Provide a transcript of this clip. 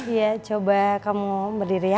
iya coba kamu berdiri ya